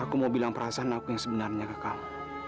aku mau bilang perasaan aku yang sebenarnya ke kamu